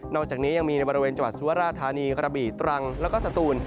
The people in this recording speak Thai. อกจากนี้ยังมีในบริเวณจังหวัดสุราธานีกระบี่ตรังแล้วก็สตูน